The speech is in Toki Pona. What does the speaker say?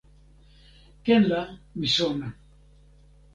ken la mi sona.